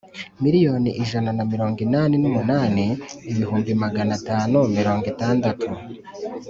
miliyoni ijana na mirongo inani n umunani ibihumbi magana atanu mirongo itandatu